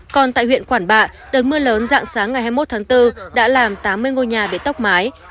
còn tại huyện quản bạ đợt mưa lớn dạng sáng ngày hai mươi một tháng bốn đã làm tám mươi ngôi nhà bị tốc mái